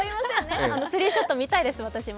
スリーショット見たいです、私も。